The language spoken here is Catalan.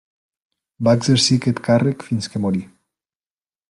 Va exercir aquest càrrec fins que morí.